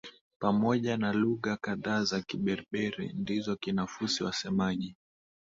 pamoja na lugha kadhaa za Kiberberi Ndizo Kinafusi wasemaji